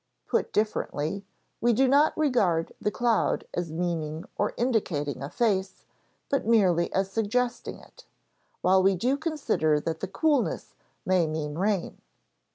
Put differently, we do not regard the cloud as meaning or indicating a face, but merely as suggesting it, while we do consider that the coolness may mean rain.